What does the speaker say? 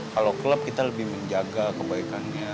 kalau klub kita lebih menjaga kebaikannya